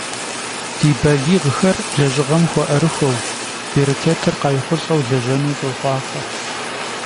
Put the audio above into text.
Di baliğxer lejığem xue'erıxueu, bêrıçetır khayxhulh'eu lejenu soxhuaxhue!